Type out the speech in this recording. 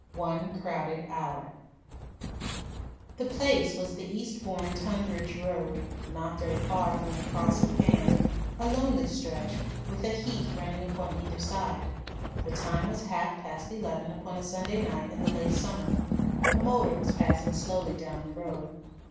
ONE CROWDED HOUR The place was the Eastbourne Tunbridge road, not very far from the Cross in Hand a lonely stretch, with a heath running upon either side. The time was half past eleven upon a Sunday night in the late summer. A motor was passing slowly down the road.